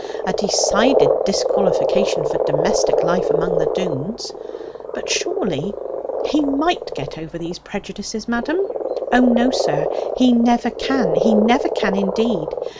A decided disqualification for domestic life among the Doones. But, surely, he might get over those prejudices, madam?' 'Oh no, sir! he never can: he never can indeed.